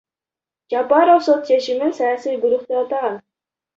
Жапаров сот чечимин саясий буйрук деп атаган.